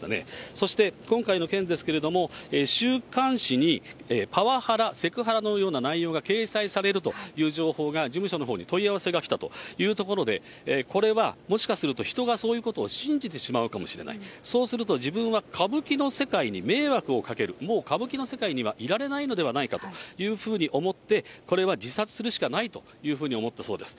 そして今回の件ですけれども、週刊誌にパワハラ、セクハラのような内容が掲載されるという情報が、事務所のほうに問い合わせが来たというところで、これはもしかすると、人がそういうことを信じてしまうかもしれない、そうすると自分は歌舞伎の世界に迷惑をかける、もう歌舞伎の世界にはいられないのではないかというふうに思って、これは自殺するしかないというふうに思ったそうです。